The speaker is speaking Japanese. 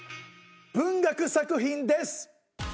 文学作品です！